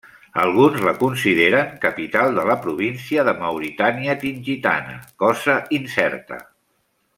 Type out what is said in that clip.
Alguns la consideren capital de la província de Mauritània Tingitana, cosa incerta.